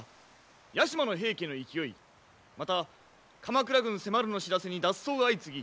屋島の平家の勢いまた「鎌倉軍迫る」の知らせに脱走が相次ぎ